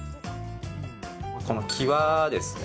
この、きわですね。